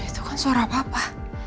itu kan suara papa